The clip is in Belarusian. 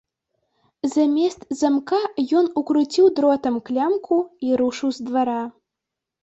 Замест замка ён укруціў дротам клямку і рушыў з двара.